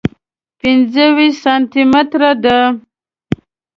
پنځه ویشت سانتي متره دی.